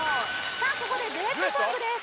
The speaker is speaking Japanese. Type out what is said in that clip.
さあここでデュエットソングです